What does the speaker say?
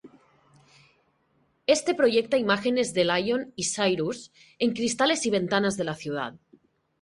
Este proyecta imágenes de Lion y Cyrus en cristales y ventanas de la ciudad.